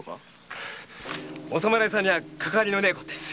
お侍さんにはかかわりのねぇ事です。